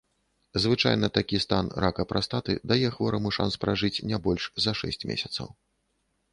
Звычайна такі стан рака прастаты дае хвораму шанс пражыць не больш за шэсць месяцаў.